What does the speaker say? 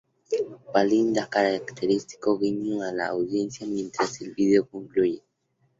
Palin da un característico guiño a la audiencia mientras el vídeo concluye.